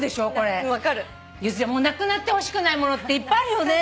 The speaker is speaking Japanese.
なくなってほしくない物っていっぱいあるよね。